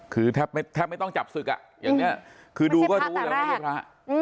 คือแทบไม่ต้องจับศึกอย่างนี้คือดูก็รู้แล้วไม่ใช่พระ